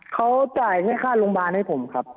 เขาจ่ายให้ค่าโรงพยาบาลให้ผมครับ